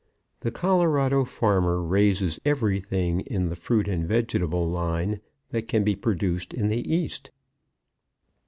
The Colorado farmer raises everything in the fruit and vegetable line that can be produced in the East.